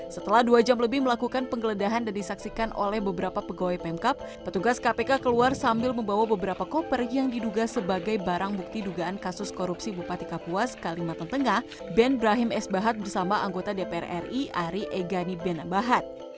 setelah dua jam lebih melakukan penggeledahan dan disaksikan oleh beberapa pegawai pemkap petugas kpk keluar sambil membawa beberapa koper yang diduga sebagai barang bukti dugaan kasus korupsi bupati kapuas kalimantan tengah ben brahim s bahat bersama anggota dpr ri ari egani ben a bahat